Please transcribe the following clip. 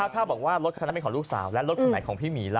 ถ้าบอกว่ารถคณะไม่ของลูกสาวและรถคณะไหนของพี่หมีล่ะ